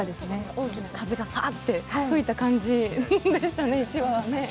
大きな風がバッと吹いた感じでしたね。